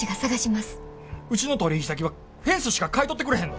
うちの取引先はフェンスしか買い取ってくれへんぞ。